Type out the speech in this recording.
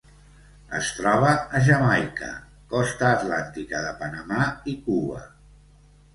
Es troba a Jamaica, costa atlàntica de Panamà i Cuba.